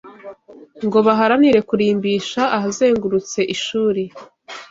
ngo baharanire kurimbisha ahazengurutse ishuri